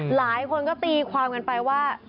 หลายคนก็ตีความกันไปว่า